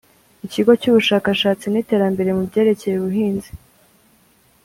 Ikigo cy Ubushakashatsi n Iterambere mu byerekeye ubuhinzi